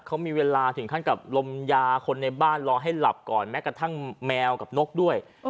เขามีเวลาถึงขั้นกับลมยาคนในบ้านรอให้หลับก่อนแม้กระทั่งแมวกับนกด้วย